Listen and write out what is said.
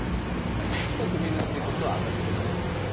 だから近くを見るっていうことはあまり必要なかったですよね。